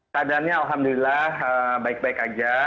keadaannya alhamdulillah baik baik saja